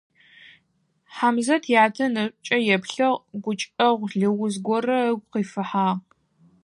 Хьамзэт ятэ нэшӀукӀэ еплъыгъ, гукӀэгъу лыуз горэ ыгу къыфихьагъ.